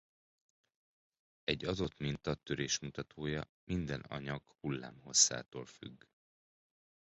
Egy adott minta törésmutatója minden anyag hullámhosszától függ.